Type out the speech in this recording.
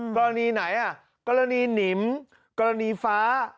กรณีไหนกรณีหนิมกรณีฟ้า